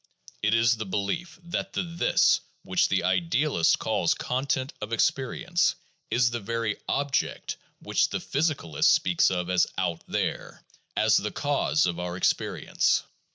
1 It is the belief that the "this" which the idealist calls "content of experience" is the very "object" which the physicist speaks of as "out there," as the cause of our experience.